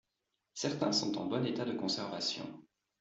Certains sont en bon état de conservation.